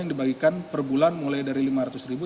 yang dibagikan perbulan mulai dari rp lima ratus